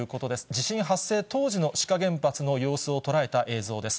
地震発生当時の志賀原発の様子を捉えた映像です。